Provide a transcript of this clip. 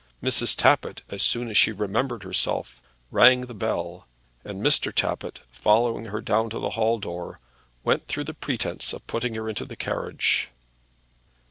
Mrs. Tappitt, as soon as she remembered herself, rang the bell, and Mr. Tappitt, following her down to the hall door, went through the pretence of putting her into her carriage.